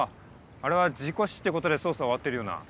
あれは事故死ってことで捜査は終わってるよな。